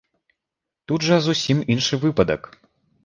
Тут жа зусім іншы выпадак.